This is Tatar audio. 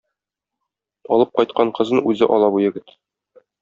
Алып кайткан кызын үзе ала бу егет.